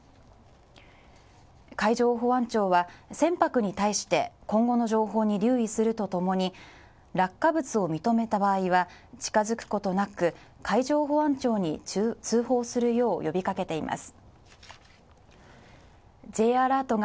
海上保安庁は船舶に対して今後の情報に留意するとともに落下物を認めた場合は近づくことなく、海上保安庁に通報するよう呼びかけています。